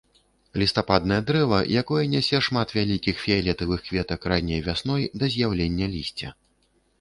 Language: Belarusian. Лістападнае дрэва, якое нясе шмат вялікіх фіялетавых кветак ранняй вясной да з'яўлення лісця.